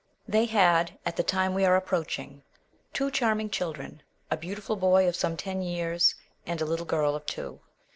They had, at the time we are approaching, two charming children, a beautiful boy of some ten years and a little girl of two.